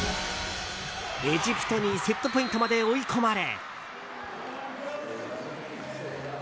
エジプトにセットポイントまで追い込まれ。